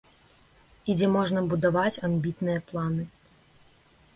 І дзе можна будаваць амбітныя планы.